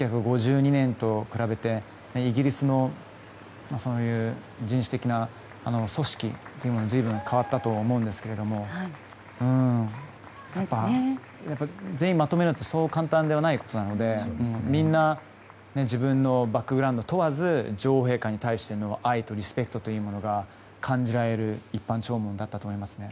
１９５２年と比べてイギリスの人種的な組織というのも随分変わったと思うんですけどやっぱり全員まとめるというのはそう簡単なことではないのでみんな自分のバックグラウンドを問わず女王陛下に対しての愛とリスペクトというものが感じられる一般弔問だったと思いますね。